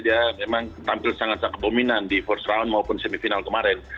dia memang tampil sangat sangat dominan di first round maupun semifinal kemarin